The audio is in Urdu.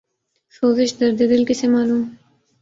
سوزش درد دل کسے معلوم